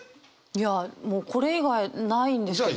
いやもうこれ以外ないんですけど。